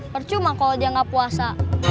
percuma kalau dia nggak puasa